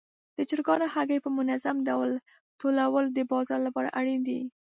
د چرګانو هګۍ په منظم ډول ټولول د بازار لپاره اړین دي.